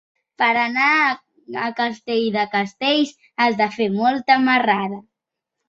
Per anar a Castell de Castells has de fer molta marrada.